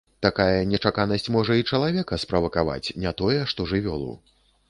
Такая нечаканасць можа і чалавека справакаваць, не тое што жывёлу.